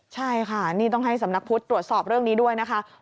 ใช่ค่ะนี่ต้องให้สำนักพุทธตรวจสอบเรื่องนี้ด้วยนะคะ